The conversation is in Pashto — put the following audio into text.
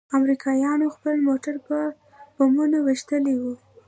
امريکايانو خپل موټران په بمونو ويشتلي وو.